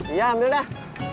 iya ambil dah